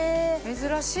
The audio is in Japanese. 珍しい。